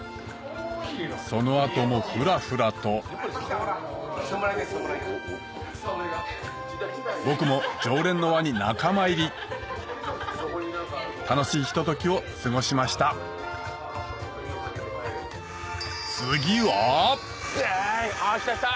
その後もフラフラと僕も常連の輪に仲間入り楽しいひとときを過ごしました次は！でい！あっ来た来た！